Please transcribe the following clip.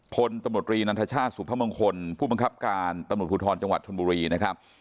พลตมรินัทชาติสุพมงคลผู้บังคับการตมรุทธรณ์จังหวัดธรรมบุรีนะครับ